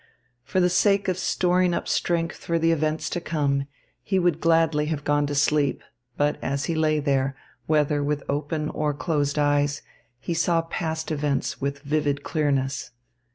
For the sake of storing up strength for the events to come, he would gladly have gone to sleep, but as he lay there, whether with open or closed eyes, he saw past events with vivid clearness.